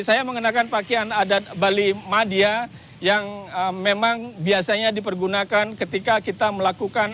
saya mengenakan pakaian adat bali madia yang memang biasanya dipergunakan ketika kita melakukan